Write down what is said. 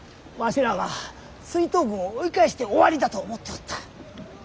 わしらは追討軍を追い返して終わりだと思っておった。